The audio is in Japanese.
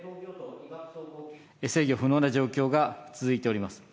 制御不能な状況が続いております。